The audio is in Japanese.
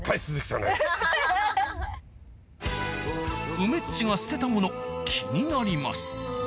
梅っちが捨てたもの気になります